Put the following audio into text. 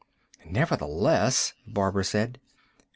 "Nevertheless " Barbara said.